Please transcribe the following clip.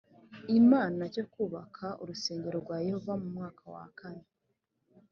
imana cyo kubaka urusengero rwa yehova mu mwaka wa kane